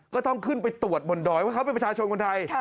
ก็ต้องขึ้นไปตรวจบนดอยว่าเขาเป็นประชาชนคนไทย